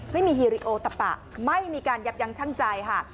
ไม่มีฮีริโอตะปะไม่มีการยับยั้งชั่งใจค่ะ